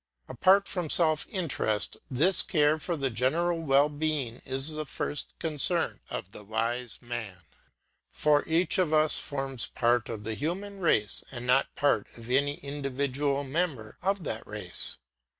Apart from self interest this care for the general well being is the first concern of the wise man, for each of us forms part of the human race and not part of any individual member of that race.